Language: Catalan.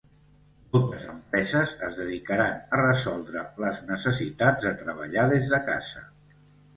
Moltes empreses es dedicaran a resoldre les necessitats de treballar des de casa.